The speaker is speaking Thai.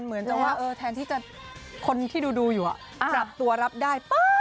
เหมือนแทนที่จะคนที่ดูอยู่มันกรับตัวรับได้